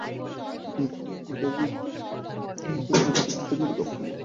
তাহলে সারা দিন রোজা রাখা নাজুক পাকস্থলী ঠিকমতো খাবার হজম করতে পারবে।